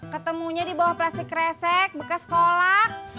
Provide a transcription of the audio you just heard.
ketemunya dibawah plastik resek bekas kolak